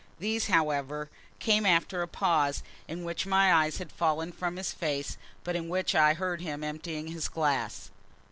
These, however, came after a pause, in which my eyes had fallen from his face, but in which I heard him emptying his glass.